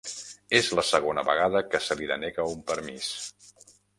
És la segona vegada que se li denega un permís